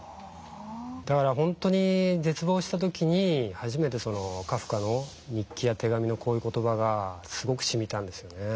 だから本当に絶望した時に初めてカフカの日記や手紙のこういう言葉がすごくしみたんですよね。